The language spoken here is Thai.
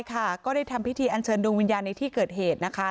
บอกว่าตอนนี้ทางครอบครัวอยากรู้ว่ารถจักรยานยนต์ของพ่ออยู่ที่ไหน